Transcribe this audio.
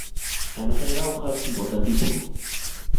E en materia de augas, importantísimo.